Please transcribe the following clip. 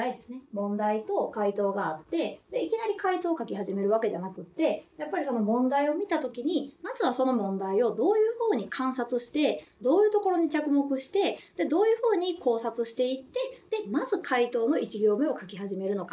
問題と解答があっていきなり解答を書き始めるわけじゃなくてやっぱり問題を見た時にまずはその問題をどういうふうに観察してどういう所に着目してどういうふうに考察していってまず解答の１行目を書き始めるのか？